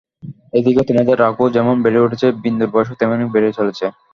এদিকে তোমাদের রাগও যেমন বেড়ে উঠেছে বিন্দুর বয়সও তেমনি বেড়ে চলেছে।